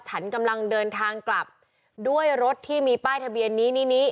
ฉันกำลังเดินทางกลับด้วยรถที่มีป้ายทะเบียนนี้นี่นี้